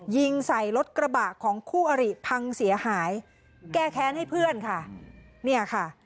ยิงใส่รถกระบะของคู่อริพังเสียหายแก้แค้นให้เพื่อนค่ะเนี่ยค่ะ